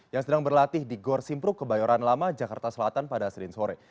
yang sedang berlatih di gor simpruk kebayoran lama jakarta selatan pada senin sore